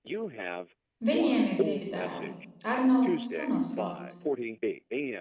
Viņiem ir divi dēli: Arnolds un Osvalds.